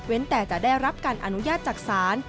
แต่จะได้รับการอนุญาตจากศาล